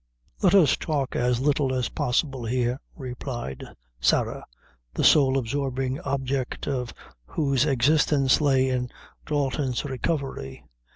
"Let us talk as little as possible here," replied Sarah, the sole absorbing object of whose existence lay in Dalton's recovery.